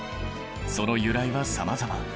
その由来はさまざま。